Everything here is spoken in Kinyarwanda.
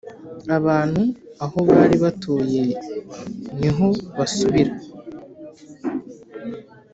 Abantu aho bari batuye nihobasubira.